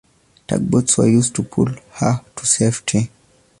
Tugboats were used to pull her to safety.